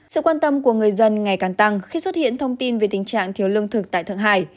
sự quan tâm của người dân ngày càng tăng khi xuất hiện thông tin về tình trạng thiếu lương thực tại thượng hải